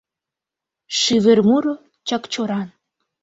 Шӱвыр муро Чакчоран...